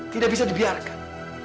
tidak bisa dibiarkan